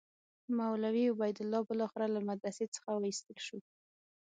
مولوي عبیدالله بالاخره له مدرسې څخه وایستل شو.